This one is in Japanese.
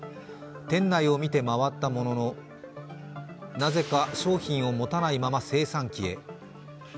店内を見て回ったものの、なぜか商品を持たないまま精算機へ。